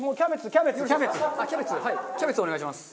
キャベツお願いします。